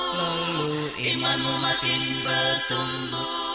lalu imanmu makin bertumbuh